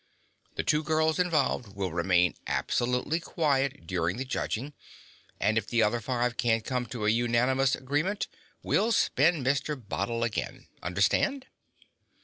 The two girls involved will remain absolutely quiet during the judging, and if the other five can't come to a unanimous agreement, we'll spin Mr. Bottle again. Understand?"